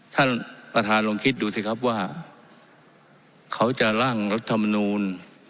ท่านประธานลองคิดดูสิครับว่าเขาจะร่างรัฐมนูล